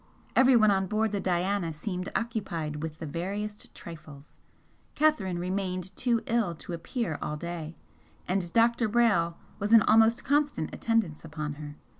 Everyone on board the 'Diana' seemed occupied with the veriest trifles, Catherine remained too ill to appear all day, and Dr. Brayle was in almost constant attendance upon her.